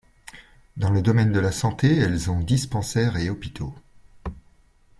Dans le domaine de la santé, elles ont dispensaires et hôpitaux.